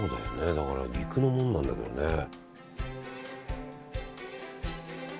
だから陸のもんなんだけどねえ。